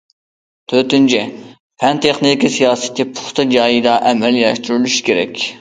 تۆتىنچى، پەن- تېخنىكا سىياسىتى پۇختا، جايىدا ئەمەلىيلەشتۈرۈلۈشى كېرەك.